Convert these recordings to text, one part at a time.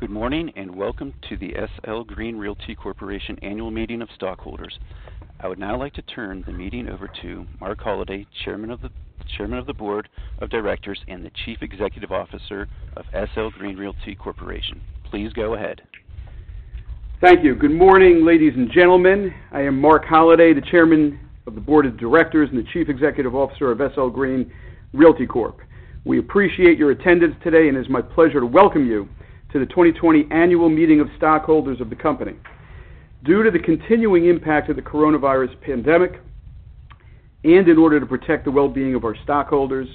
Good morning, and welcome to the SL Green Realty Corp. Annual Meeting of Stockholders. I would now like to turn the meeting over to Marc Holliday, Chairman of the Board of Directors and the Chief Executive Officer of SL Green Realty Corp. Please go ahead. Thank you. Good morning, ladies and gentlemen. I am Marc Holliday, the Chairman of the Board of Directors and the Chief Executive Officer of SL Green Realty Corp. We appreciate your attendance today, and it's my pleasure to welcome you to the 2020 annual meeting of stockholders of the company. Due to the continuing impact of the coronavirus pandemic, and in order to protect the wellbeing of our stockholders,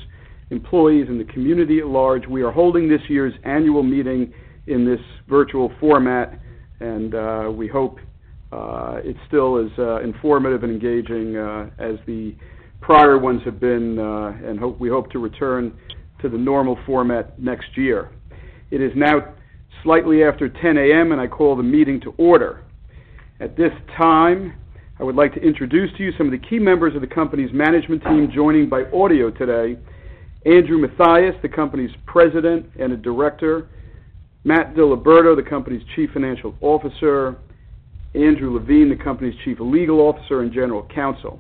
employees, and the community at large, we are holding this year's annual meeting in this virtual format. We hope it's still as informative and engaging as the prior ones have been, and we hope to return to the normal format next year. It is now slightly after 10:00 A.M., and I call the meeting to order. At this time, I would like to introduce to you some of the key members of the company's management team joining by audio today. Andrew Mathias, the company's President and a Director, Matt DiLiberto, the company's Chief Financial Officer, Andrew Levine, the company's Chief Legal Officer and General Counsel.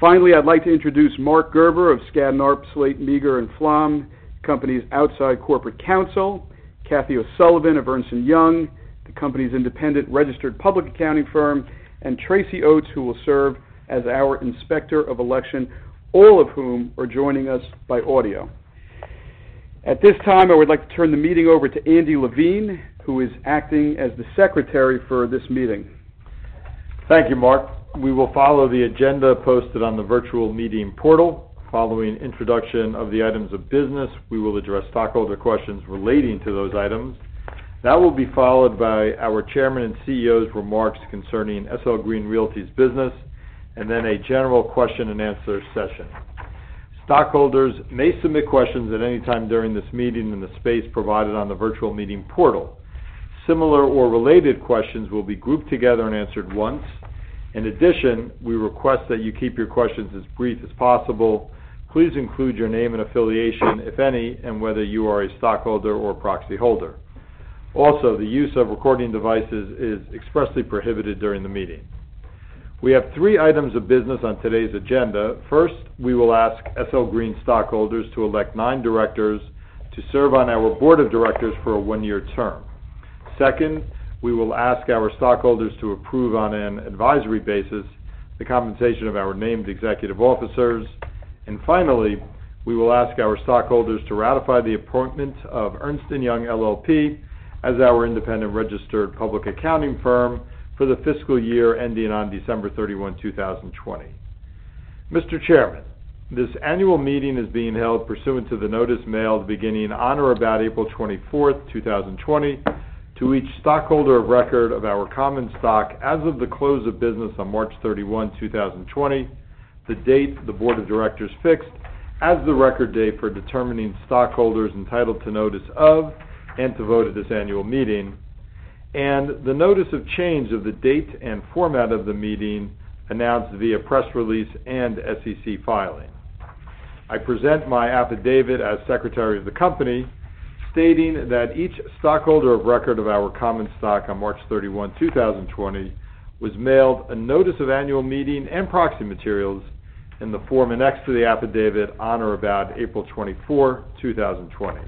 Finally, I'd like to introduce Marc Gerber of Skadden, Arps, Slate, Meagher & Flom, company's outside corporate counsel, Kathy O'Sullivan of Ernst & Young, the company's independent registered public accounting firm, and Tracy Oates, who will serve as our Inspector of Election, all of whom are joining us by audio. At this time, I would like to turn the meeting over to Andy Levine, who is acting as the Secretary for this meeting. Thank you, Marc. We will follow the agenda posted on the virtual meeting portal. Following introduction of the items of business, we will address stockholder questions relating to those items. That will be followed by our Chairman and CEO's remarks concerning SL Green Realty's business, and then a general question and answer session. Stockholders may submit questions at any time during this meeting in the space provided on the virtual meeting portal. Similar or related questions will be grouped together and answered once. In addition, we request that you keep your questions as brief as possible. Please include your name and affiliation, if any, and whether you are a stockholder or proxyholder. Also, the use of recording devices is expressly prohibited during the meeting. We have three items of business on today's agenda. First, we will ask SL Green stockholders to elect nine directors to serve on our board of directors for a one-year term. Second, we will ask our stockholders to approve on an advisory basis the compensation of our named executive officers. Finally, we will ask our stockholders to ratify the appointment of Ernst & Young LLP as our independent registered public accounting firm for the fiscal year ending on December 31, 2020. Mr. Chairman, this annual meeting is being held pursuant to the notice mailed beginning on or about April 24th, 2020, to each stockholder of record of our common stock as of the close of business on March 31, 2020, the date the board of directors fixed as the record date for determining stockholders entitled to notice of and to vote at this annual meeting, and the notice of change of the date and format of the meeting announced via press release and SEC filing. I present my affidavit as secretary of the company, stating that each stockholder of record of our common stock on March 31, 2020, was mailed a notice of annual meeting and proxy materials in the form annexed to the affidavit on or about April 24, 2020.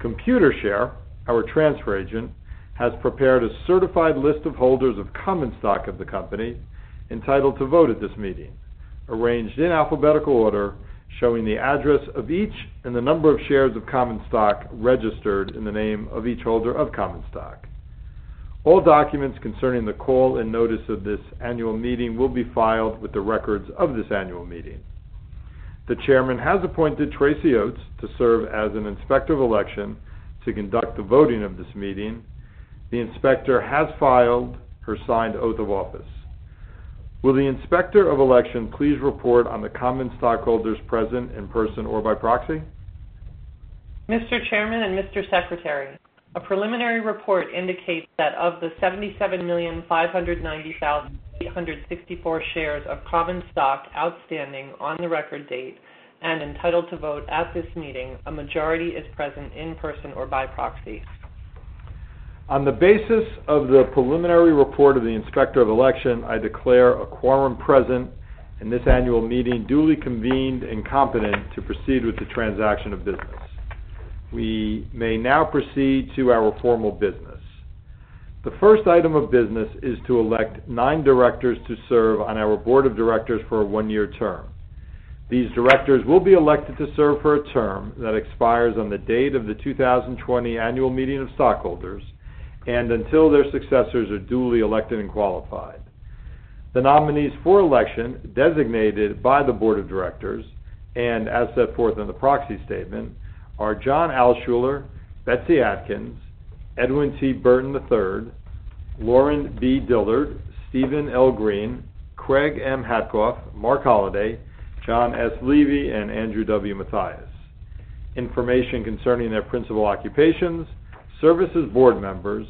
Computershare, our transfer agent, has prepared a certified list of holders of common stock of the company entitled to vote at this meeting, arranged in alphabetical order, showing the address of each and the number of shares of common stock registered in the name of each holder of common stock. All documents concerning the call and notice of this annual meeting will be filed with the records of this annual meeting. The chairman has appointed Tracy Oates to serve as an Inspector of Election to conduct the voting of this meeting. The Inspector has filed her signed oath of office. Will the Inspector of Election please report on the common stockholders present in person or by proxy? Mr. Chairman and Mr. Secretary, a preliminary report indicates that of the 77,590,864 shares of common stock outstanding on the record date and entitled to vote at this meeting, a majority is present in person or by proxy. On the basis of the preliminary report of the inspector of election, I declare a quorum present in this annual meeting duly convened and competent to proceed with the transaction of business. We may now proceed to our formal business. The first item of business is to elect nine directors to serve on our board of directors for a one-year term. These directors will be elected to serve for a term that expires on the date of the 2020 annual meeting of stockholders and until their successors are duly elected and qualified. The nominees for election designated by the board of directors and as set forth in John Alschuler, Betsy Atkins, Edwin T. Burton III, the proxy statement are Lauren B. Dillard, Stephen L. Green, Craig M. Hatkoff, Marc Holliday, John S. Levy, and Andrew W. Mathias. Information concerning their principal occupations, service as board members,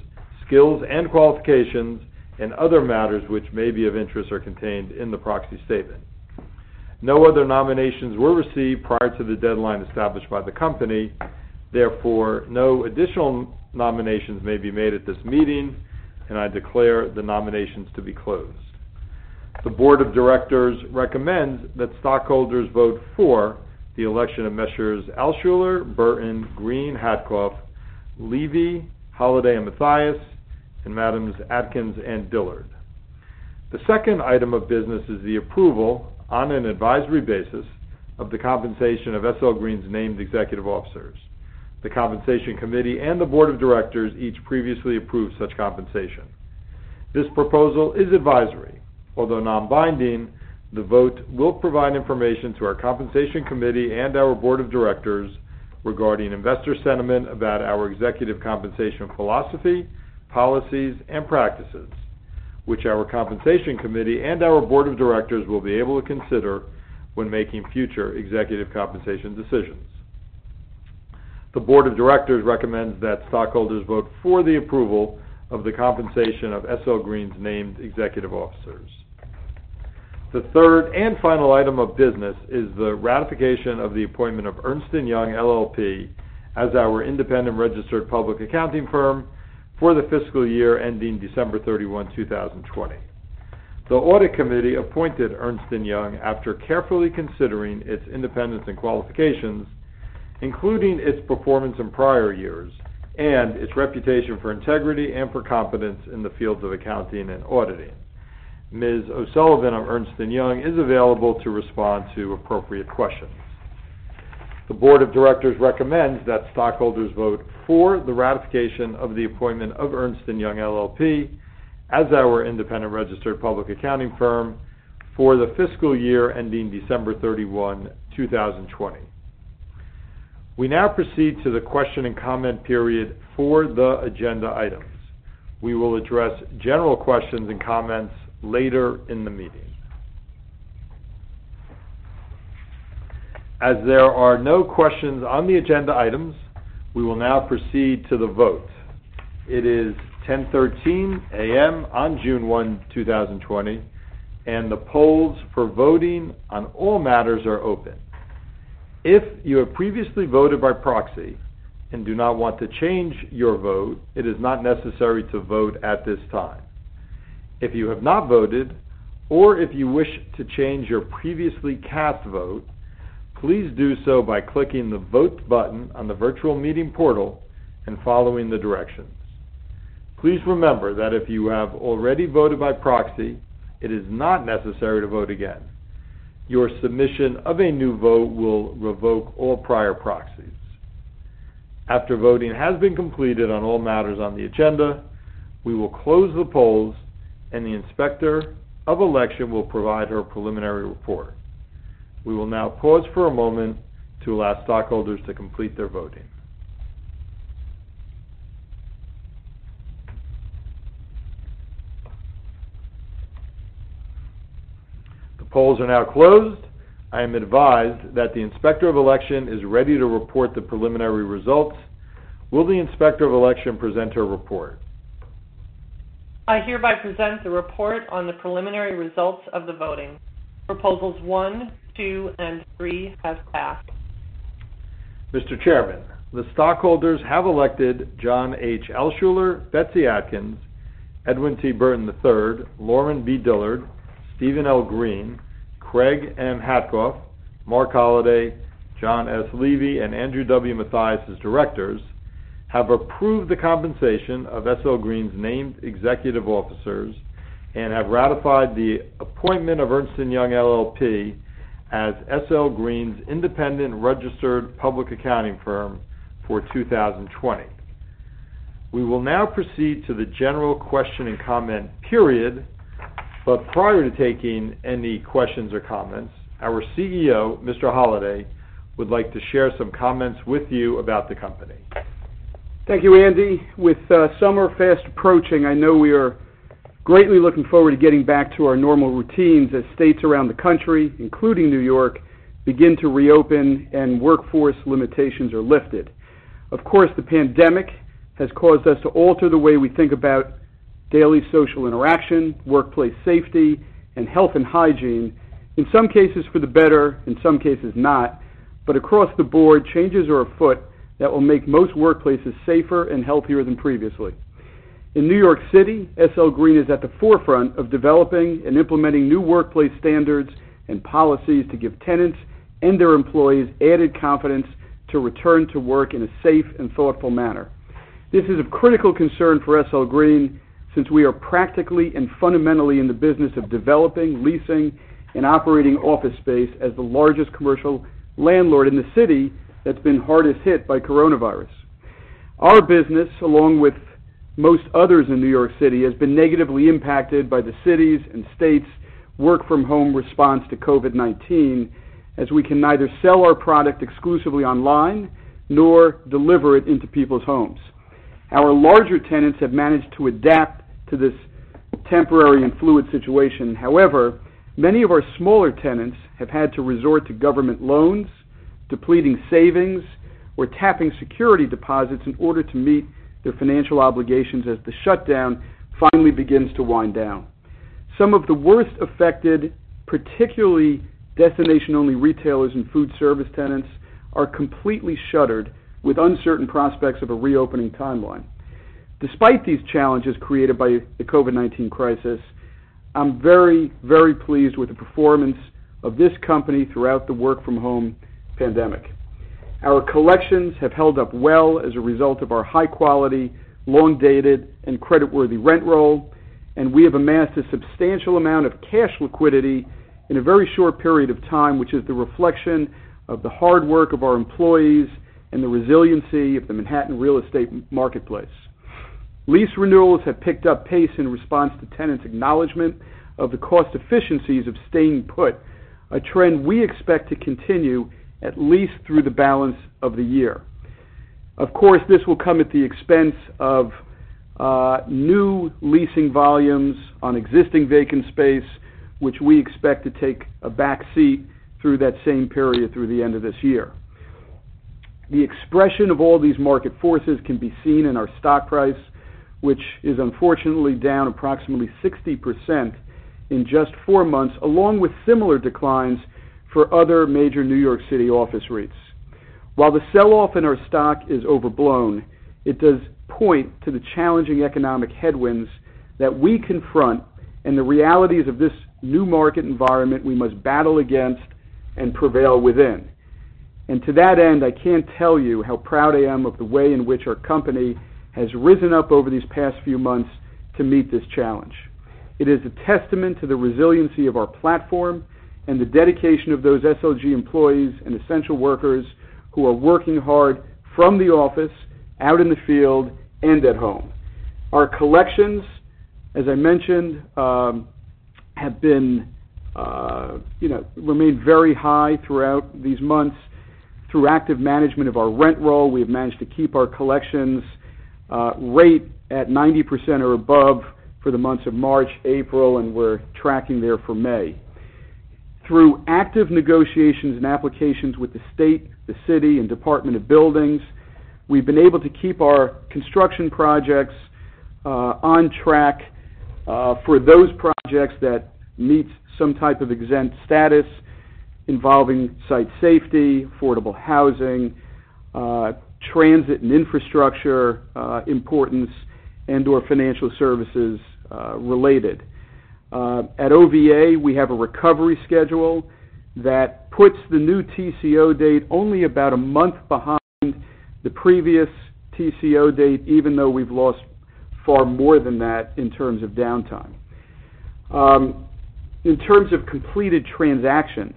skills and qualifications, and other matters which may be of interest are contained in the proxy statement. No other nominations were received prior to the deadline established by the company, therefore, no additional nominations may be made at this meeting, and I declare the nominations to be closed. The board of directors recommends that stockholders vote for the election of Messrs. Alschuler, Burton, Green, Hatkoff, Levy, Holliday, and Mathias, and Madams Atkins and Dillard. The second item of business is the approval on an advisory basis of the compensation of SL Green's named executive officers. The compensation committee and the board of directors each previously approved such compensation. This proposal is advisory. Although non-binding, the vote will provide information to our compensation committee and our board of directors regarding investor sentiment about our executive compensation philosophy, policies, and practices, which our compensation committee and our board of directors will be able to consider when making future executive compensation decisions. The board of directors recommends that stockholders vote for the approval of the compensation of SL Green's named executive officers. The third and final item of business is the ratification of the appointment of Ernst & Young LLP as our independent registered public accounting firm for the fiscal year ending December 31, 2020. The audit committee appointed Ernst & Young after carefully considering its independence and qualifications, including its performance in prior years and its reputation for integrity and for competence in the fields of accounting and auditing. Ms. O'Sullivan of Ernst & Young is available to respond to appropriate questions. The board of directors recommends that stockholders vote for the ratification of the appointment of Ernst & Young LLP as our independent registered public accounting firm for the fiscal year ending December 31, 2020. We now proceed to the question and comment period for the agenda items. We will address general questions and comments later in the meeting. As there are no questions on the agenda items, we will now proceed to the vote. It is 10:13 A.M. on June 1, 2020, and the polls for voting on all matters are open. If you have previously voted by proxy and do not want to change your vote, it is not necessary to vote at this time. If you have not voted, or if you wish to change your previously cast vote, please do so by clicking the Vote button on the virtual meeting portal and following the directions. Please remember that if you have already voted by proxy, it is not necessary to vote again. Your submission of a new vote will revoke all prior proxies. After voting has been completed on all matters on the agenda, we will close the polls, and the inspector of election will provide her preliminary report. We will now pause for a moment to allow stockholders to complete their voting. The polls are now closed. I am advised that the inspector of election is ready to report the preliminary results. Will the inspector of election present her report? I hereby present the report on the preliminary results of the voting. Proposals one, two, and three have passed. Mr. Chairman, the stockholders have elected John H. Alschuler, Betsy Atkins, Edwin T. Burton III, Lauren B. Dillard, Stephen L. Green, Craig M. Hatkoff, Marc Holliday, John S. Levy, and Andrew W. Mathias as directors, have approved the compensation of SL Green's named executive officers, and have ratified the appointment of Ernst & Young LLP as SL Green's independent registered public accounting firm for 2020. We will now proceed to the general question and comment period, but prior to taking any questions or comments, our CEO, Mr. Holliday, would like to share some comments with you about the company. Thank you, Andy. With summer fast approaching, I know we are greatly looking forward to getting back to our normal routines as states around the country, including New York, begin to reopen and workforce limitations are lifted. Of course, the pandemic has caused us to alter the way we think about daily social interaction, workplace safety, and health and hygiene, in some cases for the better, in some cases not, but across the board, changes are our foot that will make most workplaces safer and healthier than previously. In New York City, SL Green is at the forefront of developing and implementing new workplace standards and policies to give tenants and their employees added confidence to return to work in a safe and thoughtful manner. This is of critical concern for SL Green, since we are practically and fundamentally in the business of developing, leasing, and operating office space as the largest commercial landlord in the city that's been hardest hit by COVID-19. Our business, along with most others in New York City, has been negatively impacted by the cities' and states' work from home response to COVID-19, as we can neither sell our product exclusively online nor deliver it into people's homes. Our larger tenants have managed to adapt to this temporary and fluid situation. Many of our smaller tenants have had to resort to government loans, depleting savings or tapping security deposits in order to meet their financial obligations as the shutdown finally begins to wind down. Some of the worst affected, particularly destination-only retailers and food service tenants, are completely shuttered, with uncertain prospects of a reopening timeline. Despite these challenges created by the COVID-19 crisis, I'm very, very pleased with the performance of this company throughout the work from home pandemic. Our collections have held up well as a result of our high quality, long dated, and creditworthy rent roll, and we have amassed a substantial amount of cash liquidity in a very short period of time, which is the reflection of the hard work of our employees and the resiliency of the Manhattan real estate marketplace. Lease renewals have picked up pace in response to tenants' acknowledgement of the cost efficiencies of staying put, a trend we expect to continue at least through the balance of the year. This will come at the expense of new leasing volumes on existing vacant space, which we expect to take a back seat through that same period through the end of this year. The expression of all these market forces can be seen in our stock price, which is unfortunately down approximately 60% in just four months, along with similar declines for other major New York City office REITs. While the sell-off in our stock is overblown, it does point to the challenging economic headwinds that we confront and the realities of this new market environment we must battle against and prevail within. To that end, I can't tell you how proud I am of the way in which our company has risen up over these past few months to meet this challenge. It is a testament to the resiliency of our platform and the dedication of those SLG employees and essential workers who are working hard from the office, out in the field, and at home. Our collections, as I mentioned, remain very high throughout these months. Through active management of our rent roll, we have managed to keep our collections rate at 90% or above for the months of March, April, and we're tracking there for May. Through active negotiations and applications with the state, the city, and Department of Buildings, we've been able to keep our construction projects on track for those projects that meet some type of exempt status involving site safety, affordable housing, transit and infrastructure importance, and/or financial services related. At One Vanderbilt, we have a recovery schedule that puts the new TCO date only about a month behind the previous TCO date, even though we've lost far more than that in terms of downtime. In terms of completed transactions,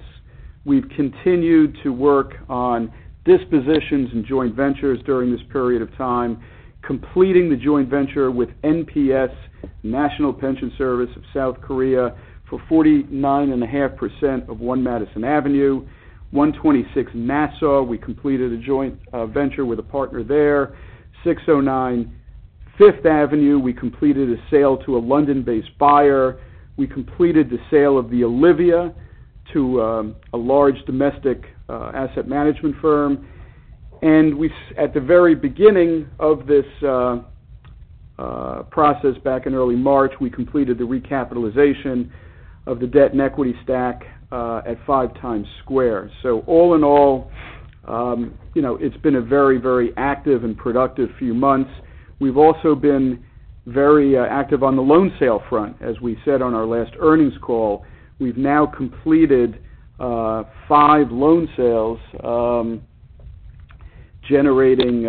we've continued to work on dispositions and joint ventures during this period of time, completing the joint venture with NPS, National Pension Service of Korea, for 49.5% of One Madison Avenue. 126 Nassau, we completed a joint venture with a partner there. 609 Fifth Avenue, we completed a sale to a London-based buyer. We completed the sale of The Olivia to a large domestic asset management firm. At the very beginning of this process back in early March, we completed the recapitalization of the debt and equity stack at 5 Times Square. All in all, it's been a very, very active and productive few months. We've also been very active on the loan sale front. As we said on our last earnings call, we've now completed five loan sales, generating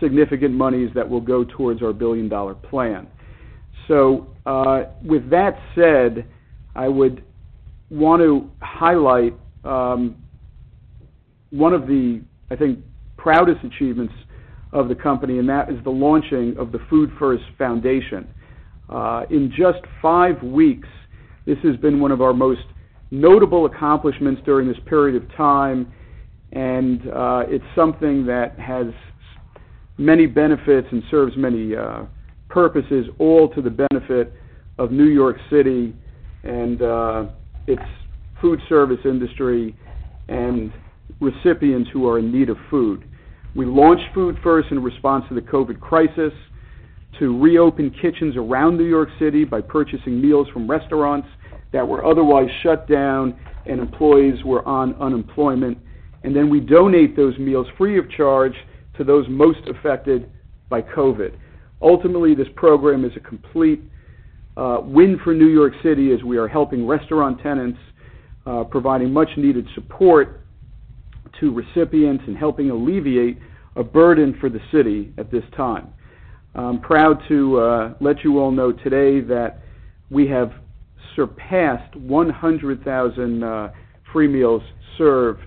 significant monies that will go towards our billion-dollar plan. With that said, I would want to highlight one of the, I think, proudest achievements of the company, and that is the launching of the Food1st Foundation. In just five weeks, this has been one of our most notable accomplishments during this period of time, and it's something that has many benefits and serves many purposes, all to the benefit of New York City and its food service industry and recipients who are in in response to the COVID crisis to reopen kitchens around New York City by purchasing meals from restaurants that were otherwise shut down and employees were on unemployment. We donate those meals free of charge to those most affected by COVID. Ultimately, this program is a complete win for New York City as we are helping restaurant tenants, providing much needed support to recipients, and helping alleviate a burden for the city at this time. I'm proud to let you all know today that we have surpassed 100,000 free meals served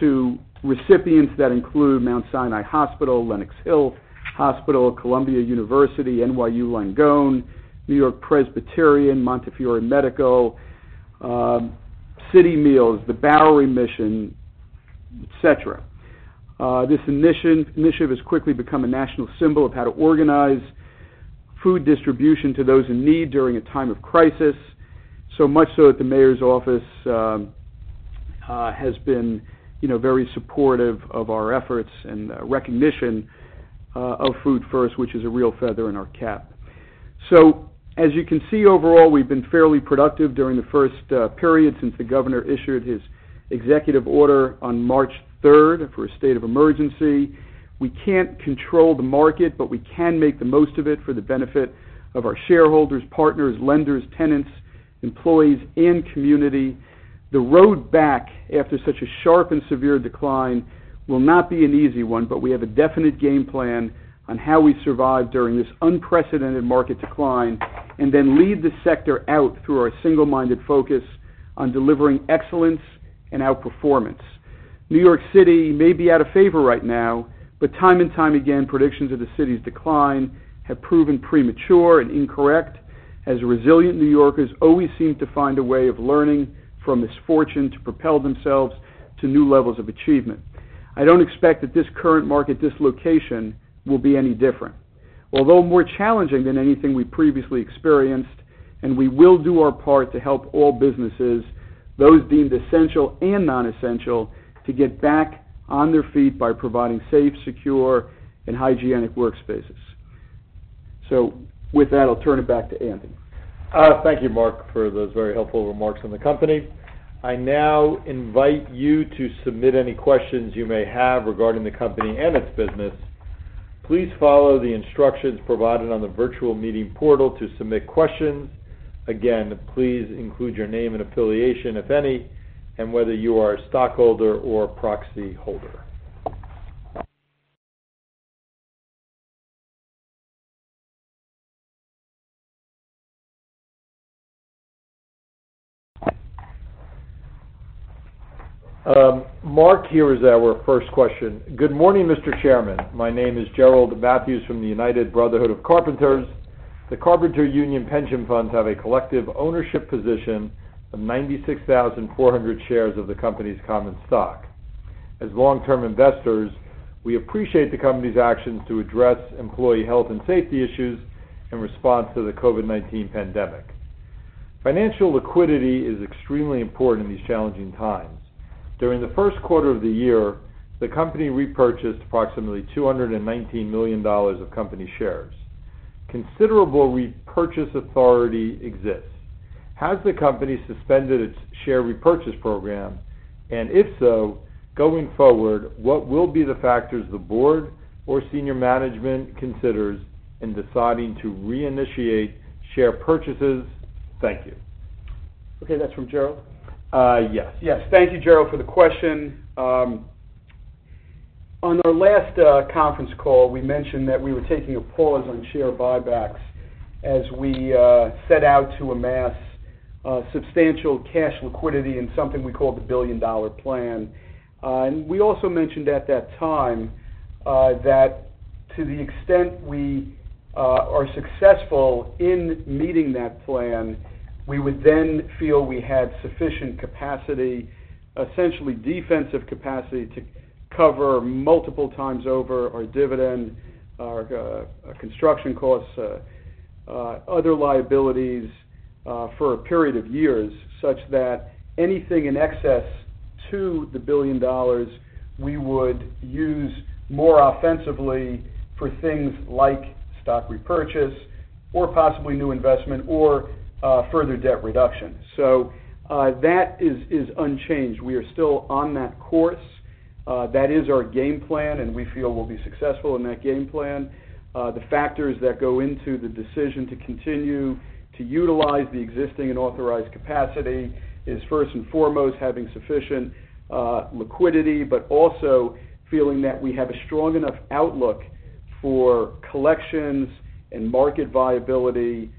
to recipients that include Mount Sinai Hospital, Lenox Hill Hospital, Columbia University, NYU Langone, NewYork-Presbyterian, Montefiore Medical, Citymeals, The Bowery Mission, et cetera. This initiative has quickly become a national symbol of how to organize food distribution to those in need during a time of crisis. Much so that the mayor's office has been very supportive of our efforts and recognition of Food1st, which is a real feather in our cap. As you can see, overall, we've been fairly productive during the first period since the governor issued his executive order on March 3rd for a state of emergency. We can't control the market, but we can make the most of it for the benefit of our shareholders, partners, lenders, tenants, employees, and community. The road back after such a sharp and severe decline will not be an easy one, but we have a definite game plan on how we survive during this unprecedented market decline, and then lead the sector out through our single-minded focus on delivering excellence and outperformance. New York City may be out of favor right now, but time and time again, predictions of the city's decline have proven premature and incorrect, as resilient New Yorkers always seem to find a way of learning from misfortune to propel themselves to new levels of achievement. I don't expect that this current market dislocation will be any different. Although more challenging than anything we previously experienced, we will do our part to help all businesses, those deemed essential and non-essential, to get back on their feet by providing safe, secure, and hygienic workspaces. With that, I'll turn it back to Anthony. Thank you, Marc, for those very helpful remarks on the company. I now invite you to submit any questions you may have regarding the company and its business. Please follow the instructions provided on the virtual meeting portal to submit questions. Again, please include your name and affiliation, if any, and whether you are a stockholder or proxy holder. Marc, here is our first question. "Good morning, Mr. Chairman. My name is Gerald Matthews from the United Brotherhood of Carpenters. The Carpenters Union pension funds have a collective ownership position of 96,400 shares of the company's common stock. As long-term investors, we appreciate the company's actions to address employee health and safety issues in response to the COVID-19 pandemic. Financial liquidity is extremely important in these challenging times. During the first quarter of the year, the company repurchased approximately $219 million of company shares. Considerable repurchase authority exists. Has the company suspended its share repurchase program, and if so, going forward, what will be the factors the board or senior management considers in deciding to reinitiate share purchases? Thank you. Okay, that's from Gerald? Yes. Thank you, Gerald, for the question. On our last conference call, we mentioned that we were taking a pause on share buybacks as we set out to amass substantial cash liquidity in something we call the billion-dollar plan. We also mentioned at that time that to the extent we are successful in meeting that plan, we would then feel we had sufficient capacity, essentially defensive capacity, to cover multiple times over our dividend, our construction costs, other liabilities for a period of years, such that anything in excess to the $1 billion we would use more offensively for things like stock repurchase or possibly new investment or further debt reduction. That is unchanged. We are still on that course. That is our game plan, and we feel we'll be successful in that game plan. The factors that go into the decision to continue to utilize the existing and authorized capacity is first and foremost having sufficient liquidity, but also feeling that we have a strong enough outlook for collections and market viability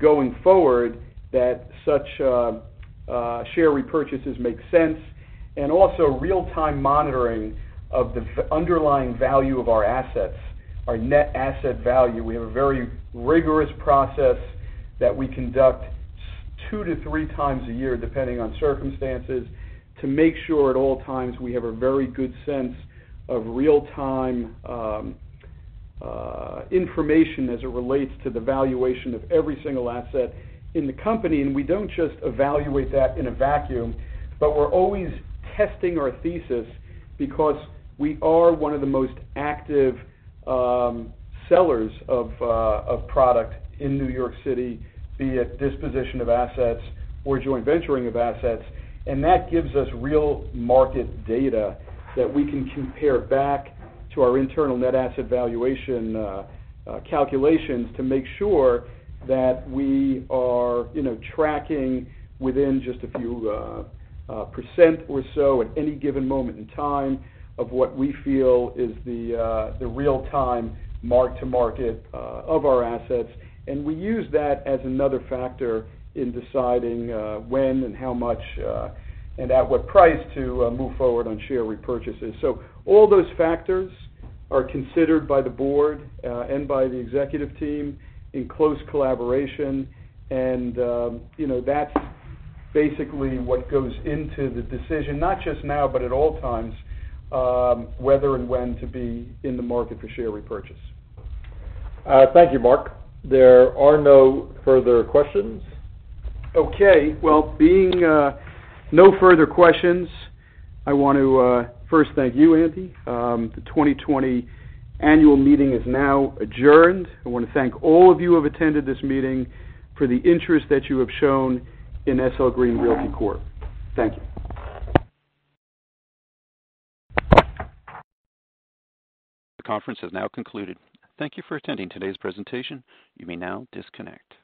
going forward that such share repurchases make sense, and also real-time monitoring of the underlying value of our assets, our net asset value. We have a very rigorous process that we conduct two to three times a year, depending on circumstances, to make sure at all times we have a very good sense of real-time information as it relates to the valuation of every single asset in the company. We don't just evaluate that in a vacuum, but we're always testing our thesis because we are one of the most active sellers of product in New York City, be it disposition of assets or joint venturing of assets. That gives us real market data that we can compare back to our internal net asset valuation calculations to make sure that we are tracking within just a few percent or so at any given moment in time of what we feel is the real-time mark to market of our assets. We use that as another factor in deciding when and how much, and at what price to move forward on share repurchases. All those factors are considered by the board and by the executive team in close collaboration, and that's basically what goes into the decision, not just now, but at all times, whether and when to be in the market for share repurchase. Thank you, Marc. There are no further questions. Okay. Well, being no further questions, I want to first thank you, Andy. The 2020 annual meeting is now adjourned. I want to thank all of you who have attended this meeting for the interest that you have shown in SL Green Realty Corp. Thank you. The conference has now concluded. Thank you for attending today's presentation. You may now disconnect.